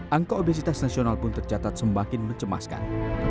angka obesitas nasional pun tercatat semakin mencemaskan